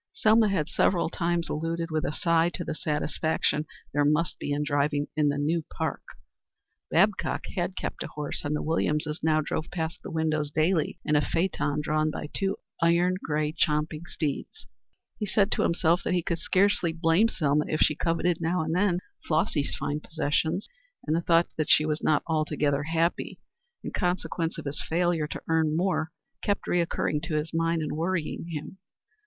Selma had several times alluded with a sigh to the satisfaction there must be in driving in the new park. Babcock had kept a horse, and the Williamses now drove past the windows daily in a phaeton drawn by two iron gray, champing steeds. He said to himself that he could scarcely blame Selma if she coveted now and then Flossy's fine possessions, and the thought that she was not altogether happy in consequence of his failure to earn more kept recurring to his mind and worried him.